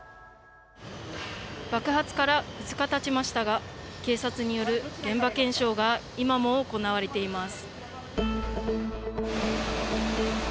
爆発から２日たちましたが警察による現場検証が今も行われています。